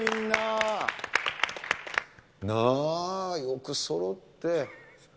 なぁ、よくそろって。